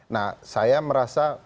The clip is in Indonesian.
nah saya merasa